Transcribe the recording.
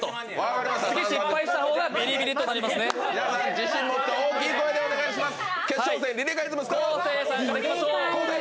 自信もって大きい声でお願いします！